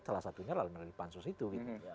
salah satunya lalu melalui pansus itu gitu